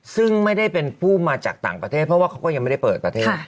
ซึ่งไม่ได้เป็นผู้มาจากต่างประเทศเพราะว่าเขาก็ยังไม่ได้เปิดประเทศ